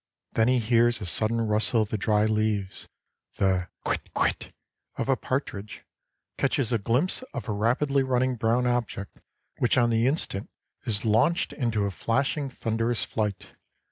Then he hears a sudden rustle of the dry leaves, the quit! quit! of a partridge, catches a glimpse of a rapidly running brown object, which on the instant is launched into a flashing thunderous flight.